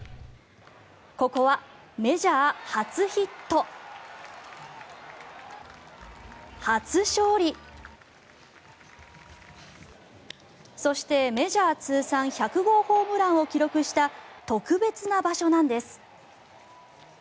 ここはメジャー初ヒット、初勝利そして、メジャー通算１００号ホームランを記録した特別な場所なんです。